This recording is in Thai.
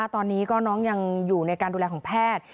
ตอนนี้น้องยังอยู่ในการดูแลของแพทย์